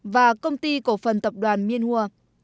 và công ty cổ phần tập đoàn miên hua